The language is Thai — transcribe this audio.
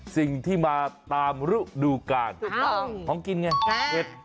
สิ่งที่มาตามรู้ดูการถูกต้องของกินไงเห็ด